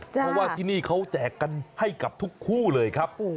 เพราะว่าที่นี่เขาแจกกันให้กับทุกคู่เลยครับ